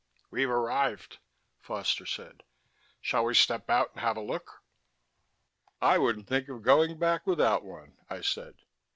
"We've arrived," Foster said. "Shall we step out and have a look?" "I wouldn't think of going back without one," I said.